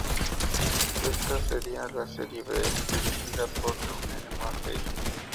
Esta sería la Serie B, dirigida por Eugenio Maffei.